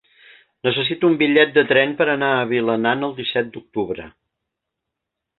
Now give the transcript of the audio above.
Necessito un bitllet de tren per anar a Vilanant el disset d'octubre.